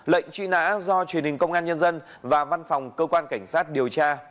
lệnh truy nã do truyền hình công an nhân dân và văn phòng cơ quan cảnh sát điều tra